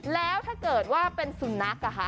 แล้วถ้าเกิดว่าเป็นสุนัข